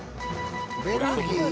ベルギー？